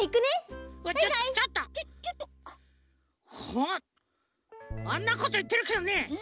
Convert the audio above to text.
ほっあんなこといってるけどね